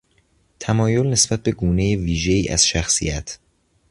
تمایل نسبت به گونهی ویژهای از شخصیت